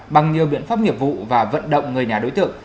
bằng nhiều biện pháp nghiệp vụ và vận động người nhà đối tượng